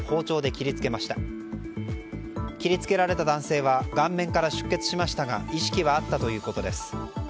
切り付けられた男性は顔面から出血しましたが意識はあったということです。